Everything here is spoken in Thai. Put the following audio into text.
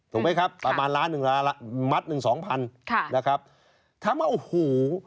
ถูกไหมครับประมาณล้านนึงมัดนึง๒๐๐๐นะครับถามว่าโอ้โห